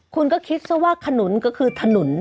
คุณก็คิดซะว่าขนุนก็คือถนน